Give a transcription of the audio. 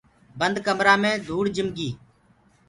بند ڪمرآ مي ڌوُڙ جِم گي۔